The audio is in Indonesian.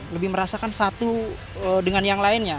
lebih merasakan satu dengan yang lainnya